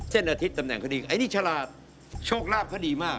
เส้นอาทิตย์ตำแหน่งเขาดี